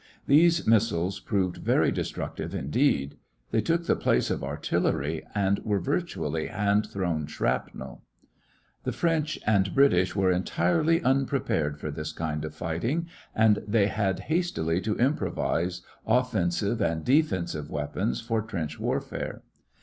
These missiles proved very destructive indeed. They took the place of artillery, and were virtually hand thrown shrapnel. The French and British were entirely unprepared for this kind of fighting, and they had hastily to improvise offensive and defensive weapons for trench warfare.